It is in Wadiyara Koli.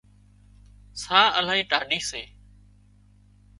ساهَه الاهي ٽاڍي سي